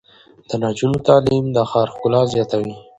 د نجونو تعلیم د ښار ښکلا زیاتوي.